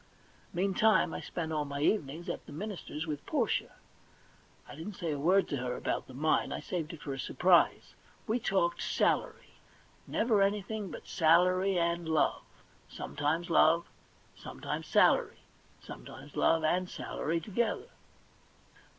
Meantime I spent all my evenings at the minister's with Portia. I didn't say a word to her about the mine; I saved it for a surprise. We talked salary; never anything but salary and love ; sometimes love, sometimes salary, sometimes love and salary together.